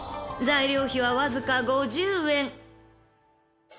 ［材料費はわずか５０円］